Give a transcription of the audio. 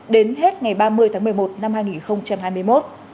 đến hết ngày ba mươi tháng một mươi một năm hai nghìn hai mươi một